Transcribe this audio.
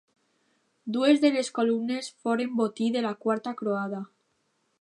Dues de les columnes foren botí de la Quarta Croada.